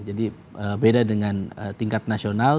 jadi beda dengan tingkat nasional